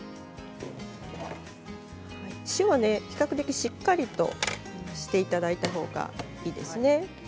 塩は比較的しっかりとしていただいたほうがいいですね。